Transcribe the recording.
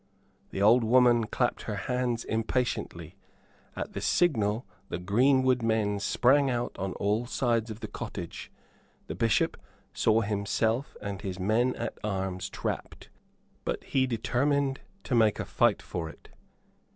The old woman clapped her hands impatiently. At the signal the greenwood men sprang out on all sides of the cottage. The Bishop saw himself and his men at arms trapped; but he determined to make a fight for it.